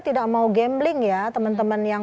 tidak mau gambling ya teman teman yang